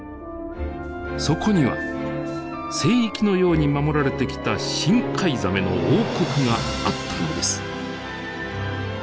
そこには聖域のように守られてきた深海ザメの王国があったのです。